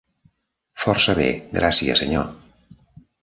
Força bé, gràcies, senyor.